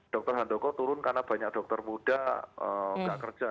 dr handoko turun karena banyak dokter muda nggak kerja